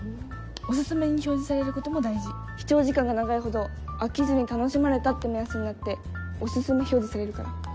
おすすめに表示されることも大事視聴時間が長いほど飽きずに楽しまれたって目安になっておすすめ表示されるから。